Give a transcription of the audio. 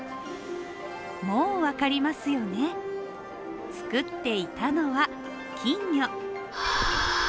もう分かりますよね、作っていたのは金魚。